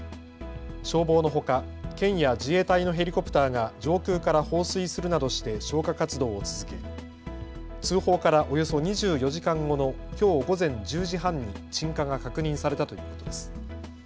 消防のほか、県や自衛隊のヘリコプターが上空から放水するなどして消火活動を続け通報からおよそ２４時間後のきょう午前１０時半に鎮火が確認されたということです。